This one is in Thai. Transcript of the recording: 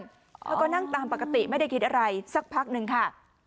แล้วก็นั่งตามปกติไม่ได้คิดอะไรสักพักหนึ่งค่ะ